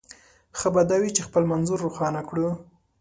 ښه به دا وي چې خپل منظور روښانه کړو.